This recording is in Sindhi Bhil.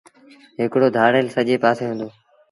هڪڙو ڌآڙيل سڄي پآسي هُݩدو